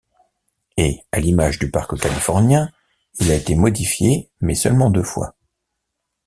Et à l'image du parc californien il a été modifié mais seulement deux fois.